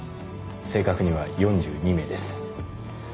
正確には４２名です。